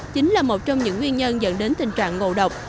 chính là một trong những nguyên nhân dẫn đến tình trạng ngộ độc